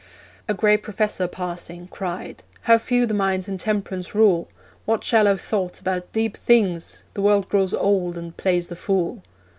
A grey professor passing cried, 'How few the mind's intemperance rule! What shallow thoughts about deep things! The world grows old and plays the fool.'